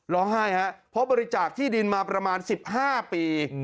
ร้องไห้ครับเพราะบริจาคที่ดินมาประมาณ๑๕ปี